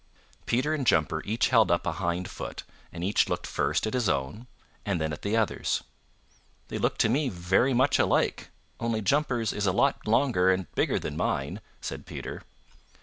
Peter and Jumper each held up a hind foot and each looked first at his own and then at the other's. "They look to me very much alike, only Jumper's is a lot longer and bigger than mine," said Peter.